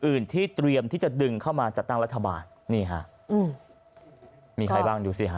อื่นที่เตรียมที่จะดึงเข้ามาจัดตั้งรัฐบาลนี่ฮะอืมมีใครบ้างดูสิฮะ